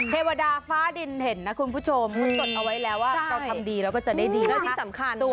เทวดาฟ้าดินเห็นนะคุณผู้ชม